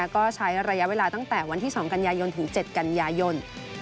ก็ใช้ระยะเวลาตั้งแต่วันที่๒กันยายนถึง๗กันยายน